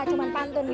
cuma pantun gitu